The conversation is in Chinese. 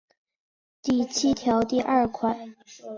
第七条第二款